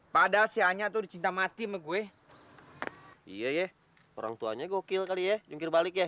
padahal sianya tuh dicinta mati sama gue iya ya orang tuanya gokil kali ya jengkir balik ya